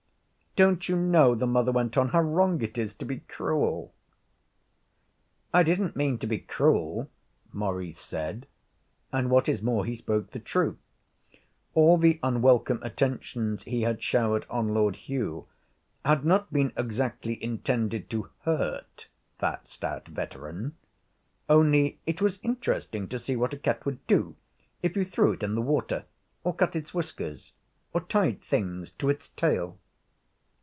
'Don't you know,' the mother went on, 'how wrong it is to be cruel?' 'I didn't mean to be cruel,' Maurice said. And, what is more, he spoke the truth. All the unwelcome attentions he had showered on Lord Hugh had not been exactly intended to hurt that stout veteran only it was interesting to see what a cat would do if you threw it in the water, or cut its whiskers, or tied things to its tail.